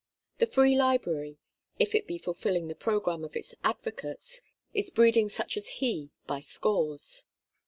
The Free Library, if it be fulfilling the programme of its advocates, is breeding such as he by scores.